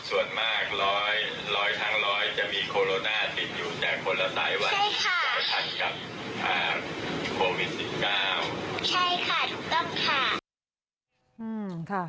ใช่ค่ะต้องค่ะ